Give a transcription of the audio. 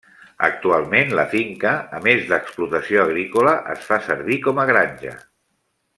Actualment, la finca, a més d'explotació agrícola, es fa servir com a granja.